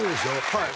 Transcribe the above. はい